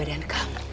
ini di badan kamu